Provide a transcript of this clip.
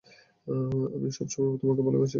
আমি সবসময়েই তোমাকে ভালোবেসে গেছি।